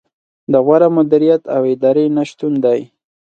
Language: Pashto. د غوره مدیریت او ادارې نه شتون دی.